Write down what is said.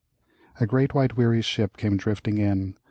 A great white weary ship came drifting in.